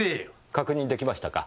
確認出来ましたか？